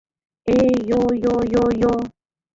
Э-йо-йо-йо-йо